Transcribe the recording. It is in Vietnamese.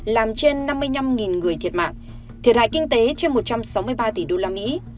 làm trên năm mươi năm người thiệt mạng thiệt hại kinh tế trên một trăm sáu mươi ba tỷ đô la mỹ